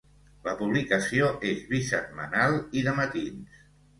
La publicació és bisetmanal i de matins.